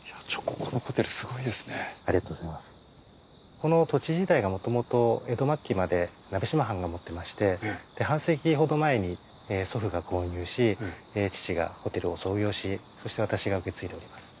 この土地自体がもともと江戸末期まで鍋島藩が持ってましてで半世紀ほど前に祖父が購入し父がホテルを創業しそして私が受け継いでおります。